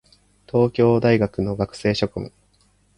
東京大学の学生諸君